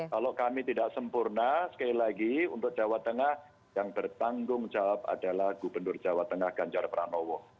kalau kami tidak sempurna sekali lagi untuk jawa tengah yang bertanggung jawab adalah gubernur jawa tengah ganjar pranowo